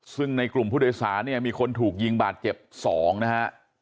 ซึ่งในกลุ่มผู้โดยสารเนี่ยมีคนถูกยิงบาดเจ็บ๒นะฮะ